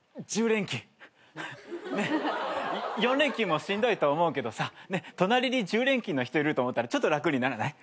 ４連勤もしんどいと思うけどさ隣に１０連勤の人いると思ったらちょっと楽にならない？